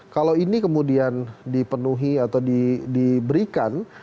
kalau ini kemudian dipenuhi atau diberikan